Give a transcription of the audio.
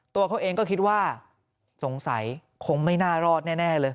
ตัวเขาเองก็คิดว่าสงสัยคงไม่น่ารอดแน่เลย